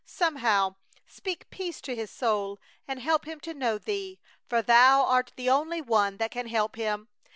Somehow speak peace to his soul and help him to know Thee, for Thou art the only One that can help him.